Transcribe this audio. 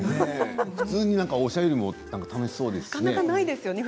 普通におしゃべりも楽しそうですよね。